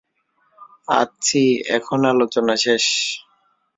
আচ্ছি, এখন আলোচনা শেষ।